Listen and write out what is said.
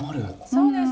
そうです。